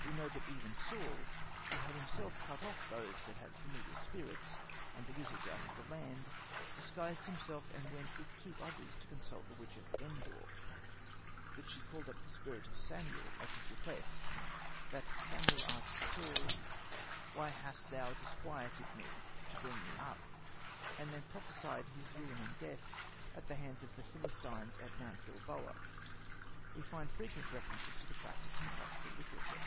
We know that even Saul, who had himself cut off those that had familiar spirits and the wizards out of the land, disguised himself and went with two others to consult the witch of En dor; that she called up the spirit of Samuel at his request; that Samuel asked Saul, "Why hast thou disquieted me, to bring me up?" and then prophesied his ruin and death at the hands of the Philistines at Mount Gilboa. We find frequent references to the practice in classical literature.